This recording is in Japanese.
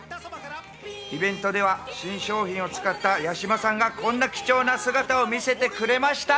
イベントでは新商品を使った八嶋さんがこんな貴重な姿を見せてくれました。